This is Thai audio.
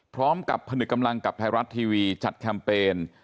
พร้อมกับผนึกกำลังกับไทยรัฐทีวีจัดแคมเปญ